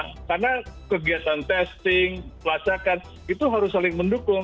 karena kegiatan testing pelacakan itu harus saling mendukung